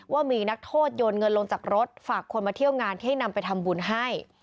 ว่ามีนักโทษโยนเงินลงจากรถฝากคนมาเที่ยวงานให้นำไปทำบุญให้